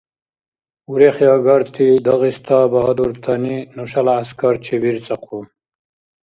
Урехиагарти Дагъиста багьадуртани нушала гӀяскар чебирцӀахъу.